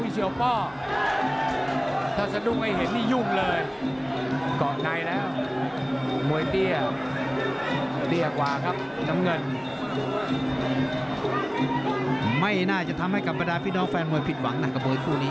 ไม่น่าจะทำให้กับบรรดาพี่น้องแฟนมวยผิดหวังนะกับมวยคู่นี้